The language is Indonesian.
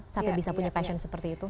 sampai bisa punya passion seperti itu